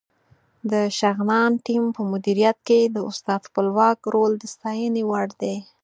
د شغنان ټیم په مدیریت کې د استاد خپلواک رول د ستاینې وړ دی.